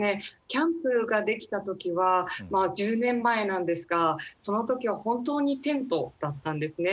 キャンプが出来た時はまあ１０年前なんですがその時は本当にテントだったんですね。